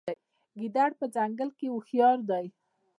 ګیدړ په ځنګل کې هوښیار دی.